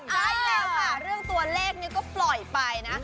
ใช่แล้วค่ะเรื่องตัวเลขนี้ก็ปล่อยไปนะ